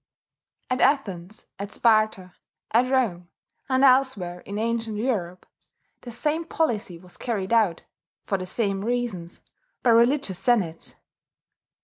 At Athens, at Sparta, at Rome, and elsewhere in ancient Europe, the same policy was carried out, for the same reasons, by religious senates.